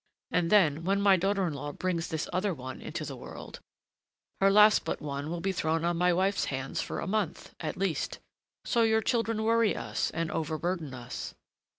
And then, when my daughter in law brings this other one into the world, her last but one will be thrown on my wife's hands for a month, at least. So your children worry us and overburden us.